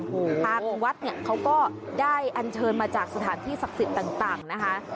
ทางวัดเนี่ยเขาก็ได้อันเชิญมาจากสถานที่ศักดิ์สิทธิ์ต่างนะคะ